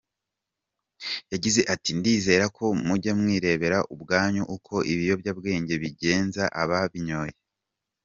Yagize ati,"Ndizera ko mujya mwirebera ubwanyu uko ibiyobyabwenge bigenza ababinyoye.